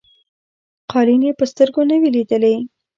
قالیني په سترګو نه وې لیدلي.